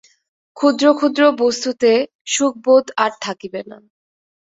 ক্ষুদ্র ক্ষুদ্র বস্তুতে সুখবোধ আর থাকিবে না।